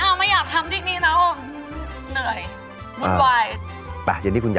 ก็แค่นั่นดีกว่นะ